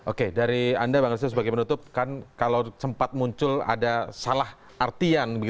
oke dari anda bang arsul sebagai penutup kan kalau sempat muncul ada salah artian